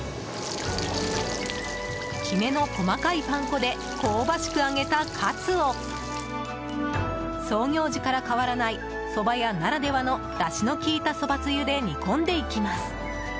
きめの細かいパン粉で香ばしく揚げたカツを創業時から変わらないそば屋ならではのだしの効いたそばつゆで煮込んでいきます。